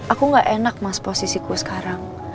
aku gak enak mas posisiku sekarang